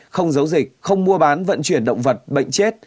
không giấu dịch không mua bán vận chuyển động vật bệnh chết